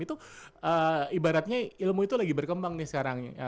itu ibaratnya ilmu itu lagi berkembang nih sekarang